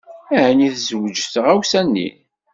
Ɛni tezweǧ tɣawsa-nni?